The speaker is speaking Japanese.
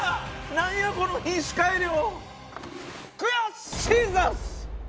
何やこの品種改良！